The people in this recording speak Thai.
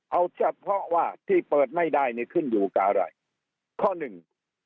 เอาเฉพาะว่าที่เปิดไม่ได้นี่ขึ้นอยู่กับอะไรข้อหนึ่ง